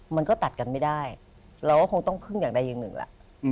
มันก็ตัดกันไม่ได้เราก็คงต้องพึ่งอย่างใดอย่างหนึ่งล่ะ